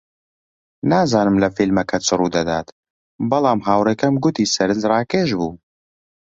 نازانم لە فیلمەکە چی ڕوودەدات، بەڵام هاوڕێکەم گوتی سەرنجڕاکێش بوو.